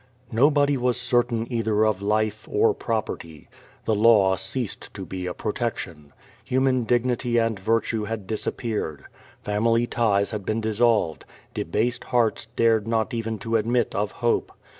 Nobody was certain either of life or property. The law ccasijxl to be a protection. Human dignity and virtue had dis appeared. Family ties had been dissolved. Debased hearts dar<vl not even to admit of hope.